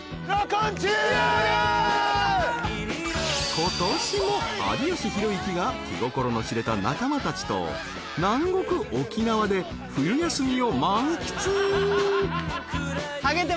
［今年も有吉弘行が気心の知れた仲間たちと南国沖縄で冬休みを満喫！］